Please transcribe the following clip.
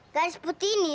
garis putih ini